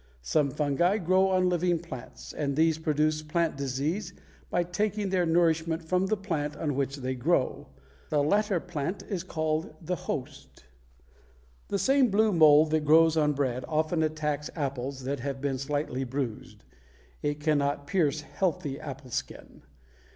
Some fungi grow on living plants, and these produce plant disease by taking their nourishment from the plant on which they grow; the latter plant is called the host. The same blue mold that grows on bread often attacks apples that have been slightly bruised; it cannot pierce healthy apple skin.